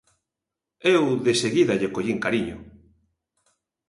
Eu deseguida lle collín cariño.